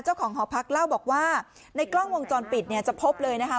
เจ้าของหอพักเล่าบอกว่าในกล้องวงจรปิดจะพบเลยนะฮะ